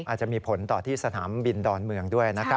อาจจะมีผลต่อที่สนามบินดอนเมืองด้วยนะครับ